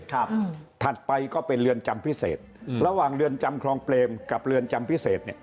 ถัดไปก็เป็นเรือนจำพิเศษอืมระหว่างเรือนจำคลองเปรมกับเรือนจำพิเศษเนี่ย